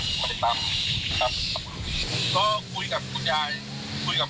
เผื่อเขายังไม่ได้งาน